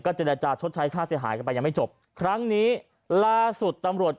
เจรจาชดใช้ค่าเสียหายกันไปยังไม่จบครั้งนี้ล่าสุดตำรวจ